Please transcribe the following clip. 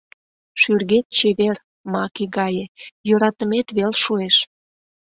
Шӱргет чевер — маке гае, йӧратымет вел шуэш.